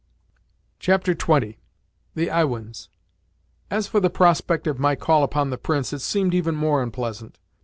XX. THE IWINS As for the prospect of my call upon the Prince, it seemed even more unpleasant.